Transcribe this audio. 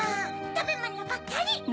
たべものばっかり。